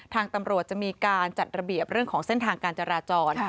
ทางตำรวจจะมีการจัดระเบียบเรื่องของเส้นทางการจราจร